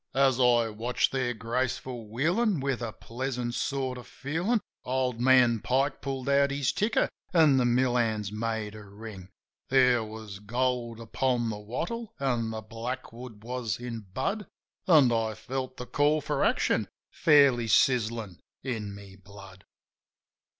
As I watched their graceful wheelin' with a pleasant sort of feelin' Old man Pike pulled out his ticker, an' the mill hands made a ring. There was gold upon the wattle an' the blackwood was in bud, An' I felt the call for action fairly sizzin' in my blood.